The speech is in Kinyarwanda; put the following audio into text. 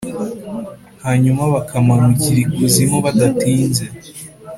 hanyuma bakamanukira ikuzimu badatinze